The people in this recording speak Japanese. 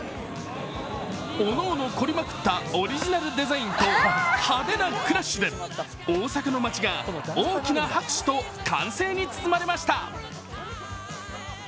各々凝りまくったオリジナリデザインと派手なクラッシュで大阪の街が大きな拍手と歓声に包まれました。